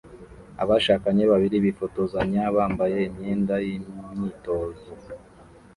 Abashakanye babiri bifotozanya bambaye imyenda y'imyitozo